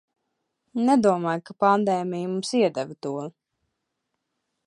Nedomāju, ka pandēmija mums iedeva to...